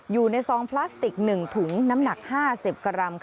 ซองพลาสติก๑ถุงน้ำหนัก๕๐กรัม